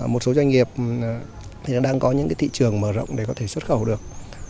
một số doanh nghiệp đang có những thị trường mở rộng để có thể xuất khẩu được